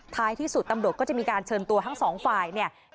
ท้ายที่สุดตำรวจก็จะมีการเชิญตัวทั้งสองฝ่ายเนี่ย